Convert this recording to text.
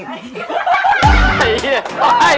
ก็นี่ไง